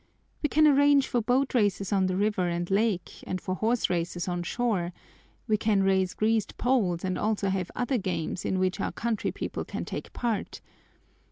We can arrange for boat races on the river and lake and for horse races on shore, we can raise greased poles and also have other games in which our country people can take part.